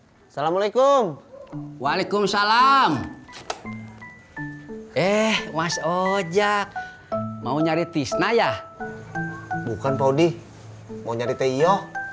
assalamualaikum waalaikumsalam eh mas ojek mau nyari tisna ya bukan paudi mau nyari teo